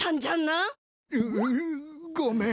ううごめん。